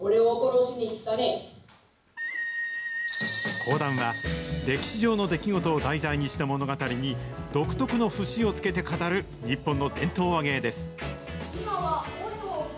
講談は、歴史上の出来事を題材にした物語に、独特の節をつけて語る、日本の伝統話芸です。